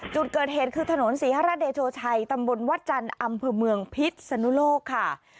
จุดเกิดเหตุคือถนนศรีฮราชเดโชชัยตำบลวัดจันทร์อำเภอเมืองพิษสนุโลกค่ะ